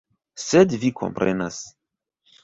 Sed vi komprenas.